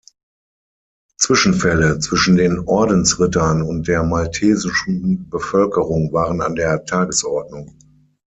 Zwischenfälle zwischen den Ordensrittern und der maltesischen Bevölkerung waren an der Tagesordnung.